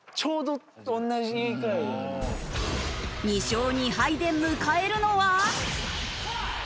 ２勝２敗で迎えるのは。